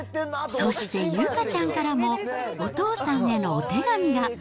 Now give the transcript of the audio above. そして有花ちゃんからもお父さんへのお手紙が。